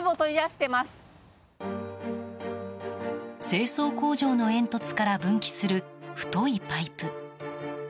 清掃工場の煙突から分岐する太いパイプ。